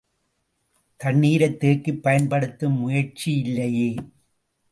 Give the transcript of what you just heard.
தண்ணீரைத் தேக்கிப் பயன்படுத்தும் முயற்சியில்லையே!